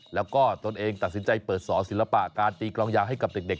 แล้วก็ตนเองตัดสินใจเปิดสอศิลปะการตีกลองยาวให้กับเด็ก